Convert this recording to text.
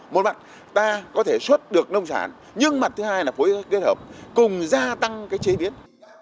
một mặt ta có thể xuất được nông sản nhưng mặt thứ hai là phối kết hợp cùng gia tăng cái chế biến